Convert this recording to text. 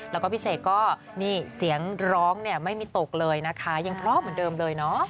แล้วก็พี่เสกก็นี่เสียงร้องเนี่ยไม่มีตกเลยนะคะยังเพราะเหมือนเดิมเลยเนาะ